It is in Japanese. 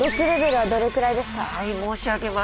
はい申し上げます。